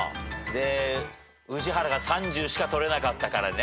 宇治原が３０しか取れなかったからね